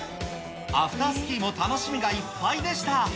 アフタースキーも楽しみがいっぱいでした。